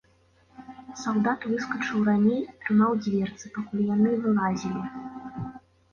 Салдат выскачыў раней і трымаў дзверцы, пакуль яны вылазілі.